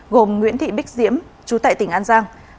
gồm nguyễn thị bích diễm chú tại tỉnh an giang